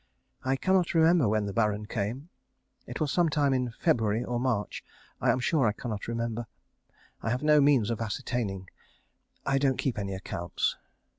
I cannot remember when the Baron came. It was some time in February or March. I am sure I cannot remember. I have no means of ascertaining. I don't keep any accounts.